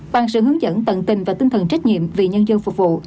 bằng sự hướng dẫn tận tình và tinh thần trách nhiệm vì nhân dân phục vụ